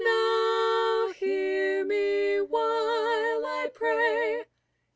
Now hear me while I pray.